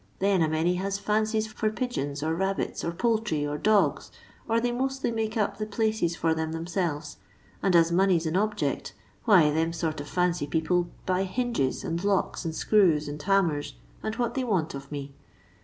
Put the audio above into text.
Then a many has fancies for pig^'ons, or rabbits, or poultry, or dogs, and they mostly make up the places for them their selves, and as money 's an object, why them sort of fiincy people buys hingea^ and locks, and icrews, and hammers, and what they want of me.